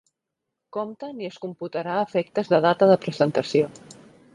Compte ni es computarà a efectes de data de presentació.